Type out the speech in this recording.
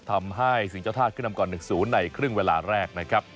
ทำให้สิ่งเจ้าธาตุขึ้นนำก่อน๑๐ในครึ่งเวลาแรกนะครับ